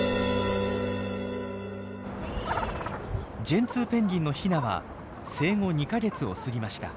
ジェンツーペンギンのヒナは生後２か月を過ぎました。